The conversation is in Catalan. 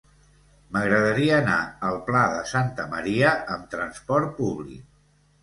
M'agradaria anar al Pla de Santa Maria amb trasport públic.